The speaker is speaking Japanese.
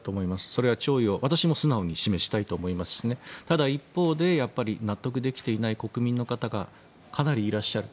それは弔意を私は素直に示したいと思いますしただ一方で、やっぱり納得できていない国民の方がかなりいらっしゃる。